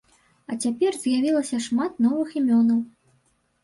А цяпер з'явілася шмат новых імёнаў.